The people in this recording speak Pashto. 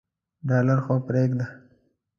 ډالر خو پریږده.